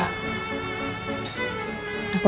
aku gak boleh berpikir pikir